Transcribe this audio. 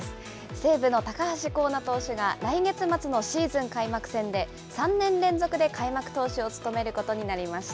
西武の高橋光成選手が来月末のシーズン開幕戦で、３年連続で開幕投手を務めることになりました。